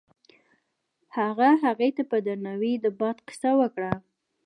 هغه هغې ته په درناوي د باد کیسه هم وکړه.